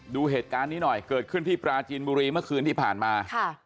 ดูเหตุการณ์นี้หน่อยเกิดขึ้นที่ปราจีนบุรีเมื่อคืนที่ผ่านมาค่ะ